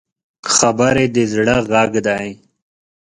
خبرې د زړه غږ دی